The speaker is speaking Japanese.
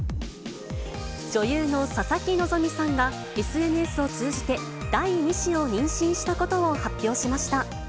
女優の佐々木希さんが、ＳＮＳを通じて第２子を妊娠したことを発表しました。